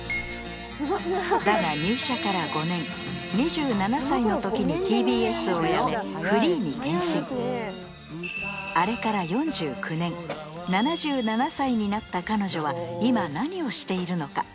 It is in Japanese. だが入社から５年２７歳の時にＴＢＳを辞めフリーに転身あれから４９年７７歳になった彼女は今何をしているのか？